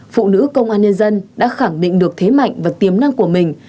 phụ nữ công an nhân dân đã khẳng định được thế mạnh và tiềm năng của mình